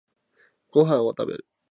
ご飯を食べる